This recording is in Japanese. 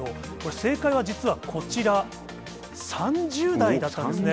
正解は実はこちら、３０代だったんですね。